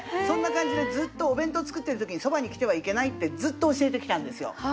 そんな感じでずっとお弁当作ってる時にそばに来てはいけないってずっと教えてきたんですよ。